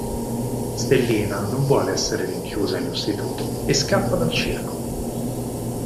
Stellina non vuole essere rinchiusa in un istituto e scappa dal circo.